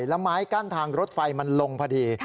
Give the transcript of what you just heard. แล้วไม้กั้นทางรถไฟมันลงพอดี